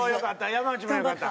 山内もよかった。